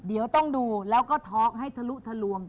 เดี๋ยวต้องดูแล้วก็ท็อกให้ทะลุทะลวง